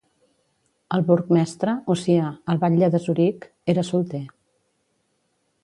El burgmestre, o sia, el batlle de Zuric, era solter.